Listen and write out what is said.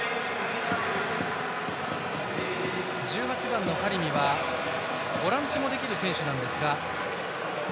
１８番のカリミはボランチもできる選手です。